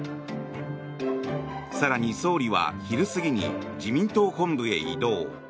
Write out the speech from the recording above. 更に、総理は昼過ぎに自民党本部へ移動。